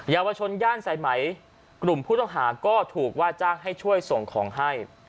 ยาวชนย่านสายไหมกลุ่มผู้ต้องหาก็ถูกว่าจ้างให้ช่วยส่งของให้